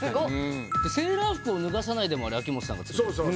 『セーラー服を脱がさないで』もあれ秋元さんがつくった？